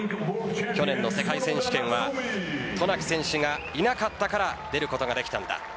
去年の世界選手権は渡名喜選手がいなかったから出ることができたんだ。